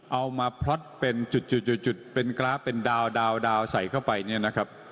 เอามาพล็อตเป็นจุดเป็นกราฟเป็นดาวใส่เข้าไปเนี่ยนะครับ